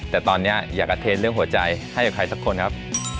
แต่ตอนนี้อยากกระเทนเรื่องหัวใจให้กับใครสักคนครับ